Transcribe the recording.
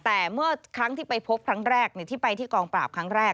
แต่เมื่อครั้งที่ไปพบครั้งแรกที่ไปที่กองปราบครั้งแรก